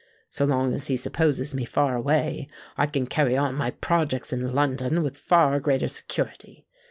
So long as he supposes me far away, I can carry on my projects in London with far greater security.